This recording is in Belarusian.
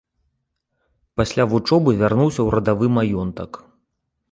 Пасля вучобы вярнуўся ў радавы маёнтак.